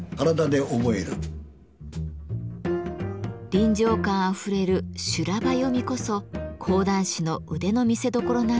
臨場感あふれる修羅場読みこそ講談師の腕の見せどころなんだとか。